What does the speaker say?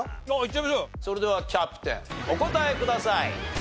それではキャプテンお答えください。